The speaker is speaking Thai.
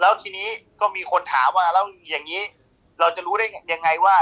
แล้วทีนี้ก็มีคนถามว่าแล้วอย่างนี้เราจะรู้ได้ยังไงว่า